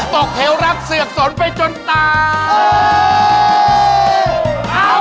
เหวรักเสือกสนไปจนตาย